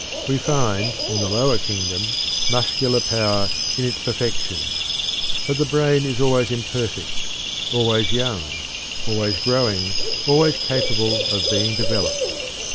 We find in the lower kingdom muscular power in its perfection; but the brain is always imperfect, always young, always growing, always capable of being developed.